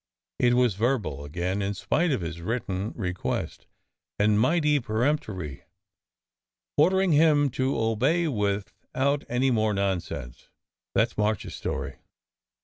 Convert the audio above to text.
It was verbal again, in spite of his written request, and mighty peremptory, order ing him to obey without any more nonsense. That s March s story.